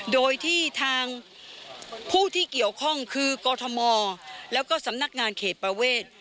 โดยที่ทางผู้ที่เกี่ยวข้องคือกรทมแล้วก็สำนักงานเขตประเวท